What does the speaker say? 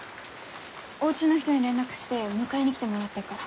おうちの人に連絡して迎えに来てもらってるから。